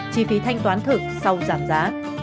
chi phí thanh toán thực sau giảm giá